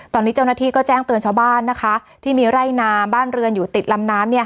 ตอนนี้เจ้าหน้าที่ก็แจ้งเตือนชาวบ้านนะคะที่มีไร่นาบ้านเรือนอยู่ติดลำน้ำเนี่ย